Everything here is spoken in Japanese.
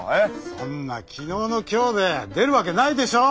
そんな昨日の今日で出るわけないでしょう。